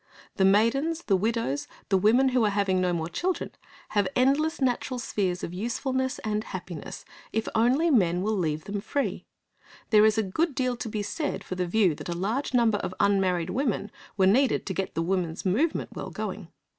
The maidens, the widows, the women who are having no more children, have endless natural spheres of usefulness and happiness, if only men will leave them free. There is a good deal to be said for the view that a large number of unmarried women were needed to get the women's movement well going.